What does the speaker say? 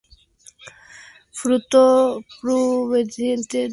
Fruto pubescente, dorsalmente aplanado; crestas dorsales.